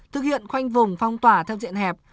thực hiện khoanh vùng phong tỏa theo diện hẹp